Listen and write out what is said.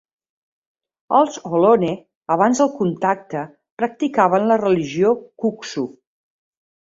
Els ohlone abans del contacte practicaven la religió Kuksu.